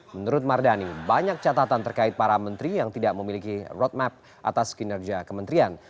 menurut mardani banyak catatan terkait para menteri yang tidak memiliki roadmap atas kinerja kementerian